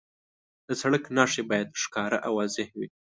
د سړک نښې باید ښکاره او واضح وي.